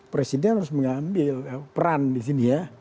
presiden harus mengambil peran di sini ya